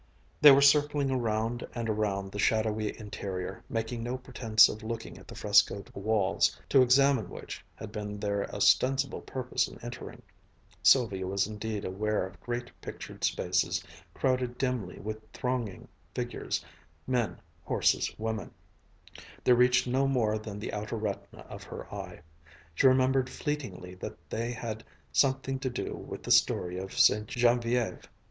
They were circling around and around the shadowy interior, making no pretense of looking at the frescoed walls, to examine which had been their ostensible purpose in entering. Sylvia was indeed aware of great pictured spaces, crowded dimly with thronging figures, men, horses, women they reached no more than the outer retina of her eye. She remembered fleetingly that they had something to do with the story of Ste. Geneviève.